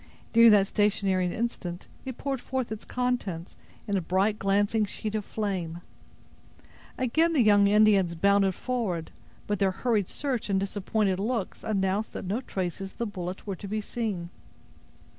During that stationary instant, it poured forth its contents, in a bright, glancing sheet of flame. Again the young Indians bounded forward; but their hurried search and disappointed looks announced that no traces of the bullet were to be seen.